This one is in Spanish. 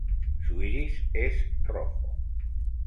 Su iris es rojo.